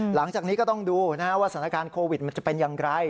หลังจากนี้ก็ต้องดูว่าสถานการณ์โควิดมันจะเป็นอย่างไร